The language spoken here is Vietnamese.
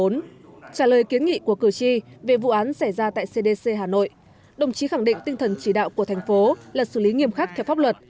trả lời kiến nghị của cử tri về vụ án xảy ra tại cdc hà nội đồng chí khẳng định tinh thần chỉ đạo của thành phố là xử lý nghiêm khắc theo pháp luật